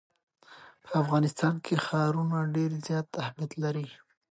په افغانستان کې ښارونه ډېر زیات اهمیت لري.